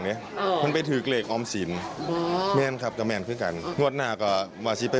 เราเรียกนะครับฮันเรียกไหมค่ะ